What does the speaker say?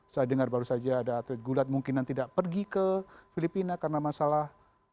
saya dengar baru saja ada atlet gulat mungkinan tidak pergi ke filipina karena masalah